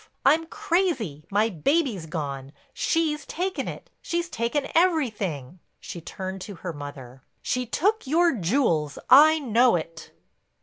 I'm crazy; my baby's gone; she's taken it, she's taken everything—" She turned to her mother. "She took your jewels—I know it."